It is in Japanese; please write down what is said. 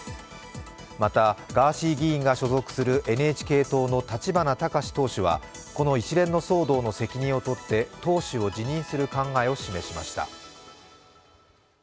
また、ガーシー議員が所属するＮＨＫ党の立花孝志党首はこの一連の騒動の責任をとって党首を辞任する考えを示しました。